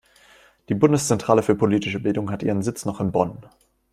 Die Bundeszentrale für politische Bildung hat ihren Sitz noch in Bonn.